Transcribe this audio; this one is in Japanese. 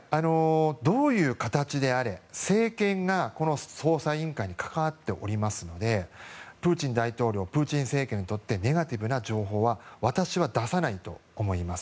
どういう形であれ政権が捜査委員会に関わっておりますのでプーチン大統領プーチン政権にとってネガティブな情報は私は出さないと思います。